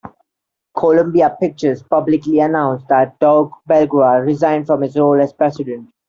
Columbia Pictures publicly announced that Doug Belgrad resigned from his role as president.